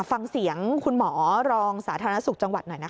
ฟังเสียงคุณหมอรองสาธารณสุขจังหวัดหน่อยนะคะ